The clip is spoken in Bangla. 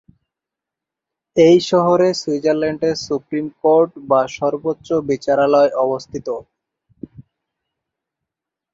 এই শহরে সুইজারল্যান্ডের সুপ্রিম কোর্ট বা সর্বোচ্চ বিচারালয় অবস্থিত।